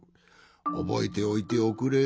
おぼえておいておくれ。